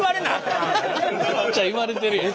めっちゃ言われてるやん。